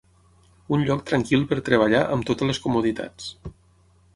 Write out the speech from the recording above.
Un lloc tranquil per treballar amb totes les comoditats.